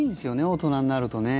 大人になるとね。